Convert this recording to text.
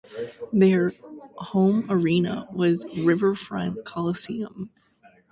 Their home arena was Riverfront Coliseum.